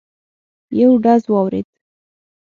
یو ډز واورېد.